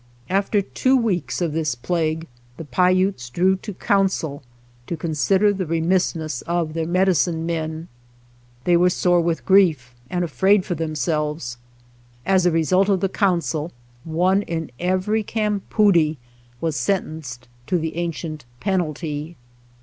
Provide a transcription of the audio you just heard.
After two weeks of this plague the Pai utes drew to council to consider the re missness of their medicine men. They were sore with grief and afraid for them selves ; as a result of the council, one in every campoodie was sentenced to the an cient penalty.